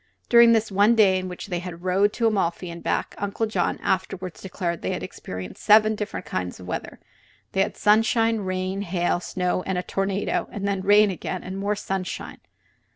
During this one day in which they rode to Amalfi and back, Uncle John afterward declared that they experienced seven different kinds of weather. They had sunshine, rain, hail, snow and a tornado; and then rain again and more sunshine.